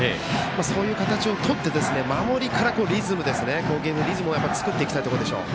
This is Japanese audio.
そういう形をとって守りから攻撃のリズムを作っていきたいところでしょう。